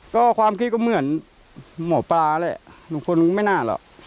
ก็ความคิดก็เหมือนหมอปลาแหละหนูคนไม่น่าหรอก